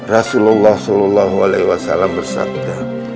rasulullah salallahuaualaihiwasallam bersabda